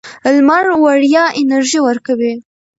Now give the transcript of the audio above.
لمر وړیا انرژي ورکوي.